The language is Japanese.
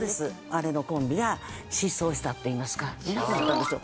姉のコンビが失踪したっていいますかいなくなったんですよ。